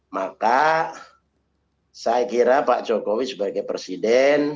maka saya kira pak jokowi sebagai presiden